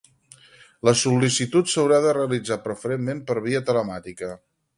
La sol·licitud s'haurà de realitzar preferentment per via telemàtica.